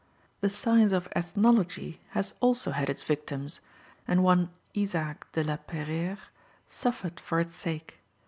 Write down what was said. The science of ethnology has also had its victims, and one Isaac de la Peyrère suffered for its sake.